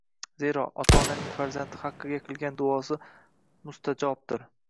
Zero, ota-onaning farzandi haqqiga qilgan duosi mustajobdir.